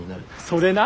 それな。